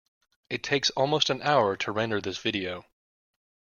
It takes almost an hour to render this video.